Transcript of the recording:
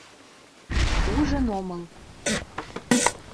Ужын омыл.